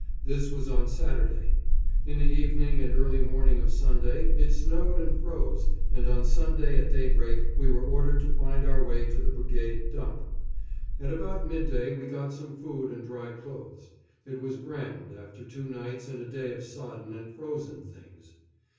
This was on Saturday. In the evening and early morning of Sunday it snowed and froze, and on Sunday at daybreak we were ordered to find our way to the brigade "dump." At about midday we got some food and dry clothes. It was grand, after two nights and a day of sodden and frozen things.